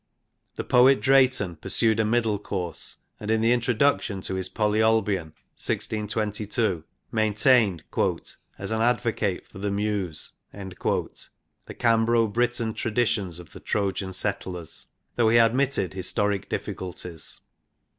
The poet Drayton pursued a middle course, and in the introduction to his Polyolbion (1622), maintained ' as an advocate for the Muse ' the Cambro Briton traditions of the Trojan settlers, though he admitted historic difficulties.